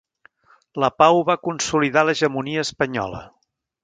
La pau va consolidar l'hegemonia espanyola.